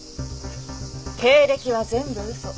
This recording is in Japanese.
経歴は全部嘘。